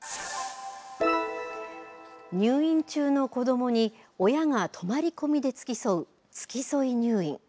入院中の子どもに親が泊まり込みで付き添う付き添い入院。